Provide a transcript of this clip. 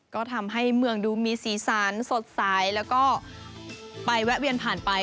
ก็ทำให้เมืองดูมีสีสันสดใสแล้วก็ไปแวะเวียนผ่านไป